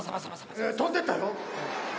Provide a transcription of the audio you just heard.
いや飛んでったよ。